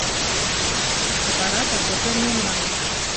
Апарата цяпер не маю.